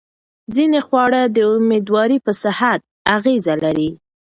ځینې خواړه د مېندوارۍ په صحت اغېزه لري.